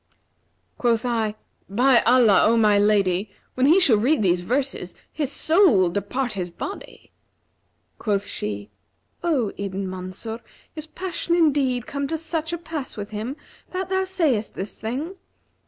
Quoth I, 'By Allah, O my lady, when he shall read these verses, his soul will depart his body!' Quoth she, 'O Ibn Mansur, is passion indeed come to such a pass with him that thou sayest this saying?'